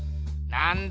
なんだ⁉